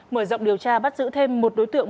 mở rộng điều tra bắt giữ thêm một đối tượng